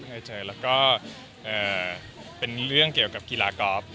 เคยเจอแล้วก็เป็นเรื่องเกี่ยวกับกีฬากอล์ฟ